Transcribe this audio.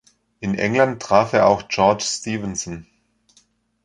In England traf er auch George Stephenson.